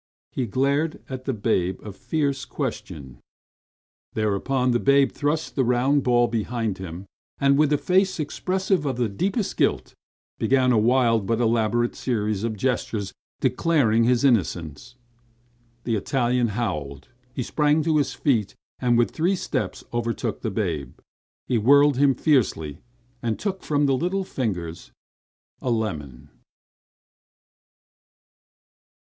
He glared at the babe a fierce question. Thereupon the babe thrust the round bulb behind him, and a with a face expressive of the deepest guilt, began a wild but elaborate series of gestures declaring his innocence. The Italian howled. He sprang to his feet, and with three steps overtook the babe. He whirled him fiercely, and took from the little fingers a lemon.